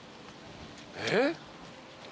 えっ？